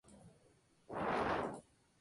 Naturales del oeste de África y sudeste de Asia.